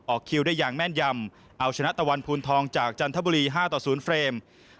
คิวได้อย่างแม่นยำเอาชนะตะวันภูนทองจากจันทบุรี๕ต่อ๐เฟรม